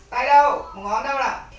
bảo đâu tay đâu một ngón đâu